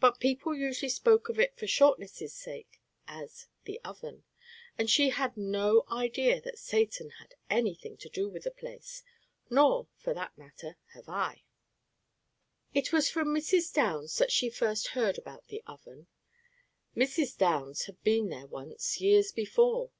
But people usually spoke of it for shortness' sake as the "Oven," and she had no idea that Satan had any thing to do with the place, nor, for that matter, have I. It was from Mrs. Downs that she first heard about the Oven. Mrs. Downs had been there once, years before.